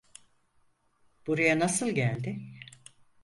Buraya nasıl geldi?